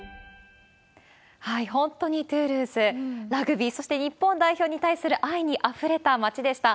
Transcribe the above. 本当にトゥールーズ、ラグビー、そして日本代表に対する愛にあふれた町でした。